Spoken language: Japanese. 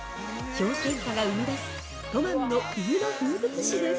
氷点下が生み出すトマムの冬の風物詩です。